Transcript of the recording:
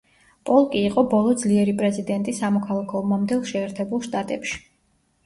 პოლკი იყო ბოლო ძლიერი პრეზიდენტი სამოქალაქო ომამდელ შეერთებულ შტატებში.